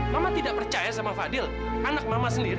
mama tidak percaya sama fadil anak mama sendiri